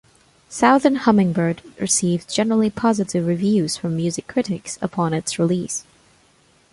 "Southern Hummingbird" received generally positive reviews from music critics, upon its release.